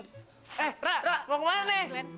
eh rah mau ke mana nih